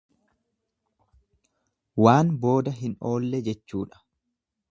Waan booda hin oolle jechuudha.